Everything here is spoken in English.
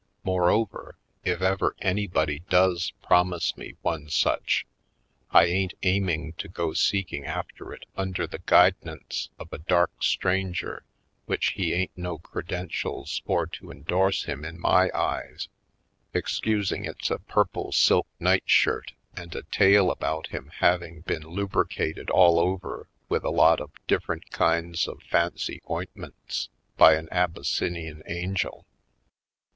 Moreover, if ever anybody does promise me Black Belt 149 one such I ain't aiming to go seeking after it under the guidnance of a dark stranger which he ain't no credentials for to endorse him in my eyes, excusing it's a purple silk night shirt and a tale about him having been lubricated all over with a lot of differ ent kinds of fancy ointments by an Abyssin ian angel.